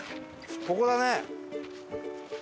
ここだね。